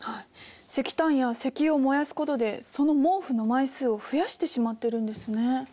石炭や石油を燃やすことでその毛布の枚数を増やしてしまってるんですね。